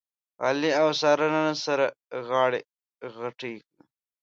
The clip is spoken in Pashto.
علي او ساره نن سره غاړه غټۍ و.